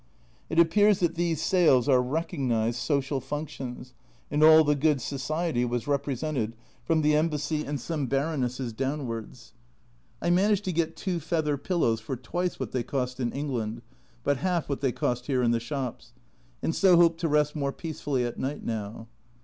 It appears that these sales are recognised 36 A Journal from Japan social functions, and all the good Society was repre sented, from the Embassy and some Baronesses downwards. I managed to get two feather pillows for twice what they cost in England, but half what they cost here in the shops ; and so hope to rest more peacefully at night now.